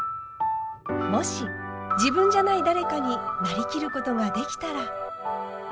もし自分じゃない誰かになりきることができたら。